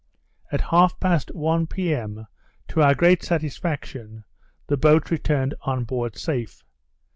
At half past one p.m. to our great satisfaction, the boat returned on board safe.